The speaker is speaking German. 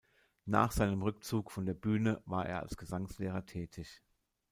Nach seinem Rückzug von der Bühne war er als Gesangslehrer tätig.